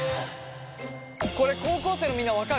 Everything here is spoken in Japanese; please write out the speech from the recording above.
これ高校生のみんな分かる？